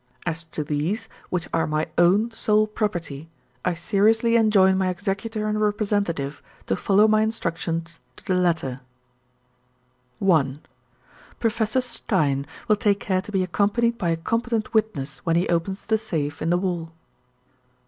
As to these, which are my own sole property, I seriously enjoin my executor and representative to follow my instructions to the letter: "'(1) Professor Stein will take care to be accompanied by a competent witness, when he opens the safe in the wall.